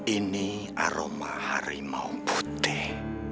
ini aroma harimau putih